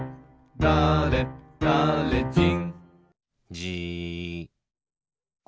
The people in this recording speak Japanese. だれだれじん。